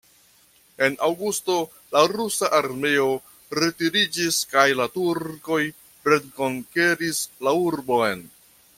En aŭgusto, la rusa armeo retiriĝis kaj la turkoj rekonkeris la urbon.